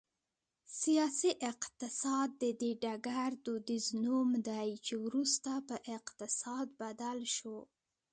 سیاسي اقتصاد د دې ډګر دودیز نوم دی چې وروسته په اقتصاد بدل شو